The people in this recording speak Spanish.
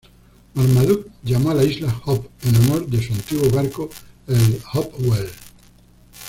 Marmaduke llamó a la isla "Hope" en honor de su antiguo barco, el "Hopewell".